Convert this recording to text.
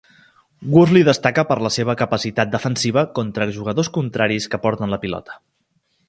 Worsley destaca per la seva capacitat defensiva contra jugadors contraris que porten la pilota.